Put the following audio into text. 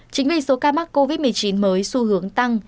chính vì số ca mắc covid một mươi chín mới xu hướng tăng